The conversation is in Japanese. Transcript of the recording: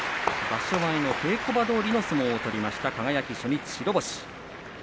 場所前の稽古場どおりの相撲を取りました初日白星です。